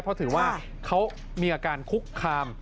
เพราะถือว่าเขามีอาการคุกคาม